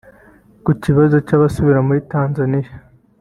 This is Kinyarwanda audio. Ku kibazo cy’abasubira muri Tanzania